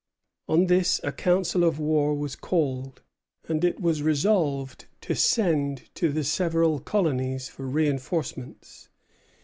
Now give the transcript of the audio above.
On this a council of war was called; and it was resolved to send to the several colonies for reinforcements.